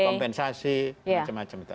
kompensasi macam macam itu